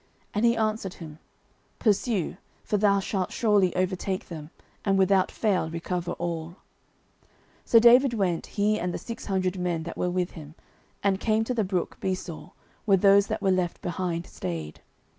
And he answered him, Pursue: for thou shalt surely overtake them, and without fail recover all. 09:030:009 So David went, he and the six hundred men that were with him, and came to the brook Besor, where those that were left behind stayed.